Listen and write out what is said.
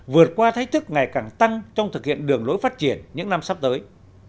vượt qua thách thức ngày càng tăng trong thực hiện đường lối phát triển những năm sắp tới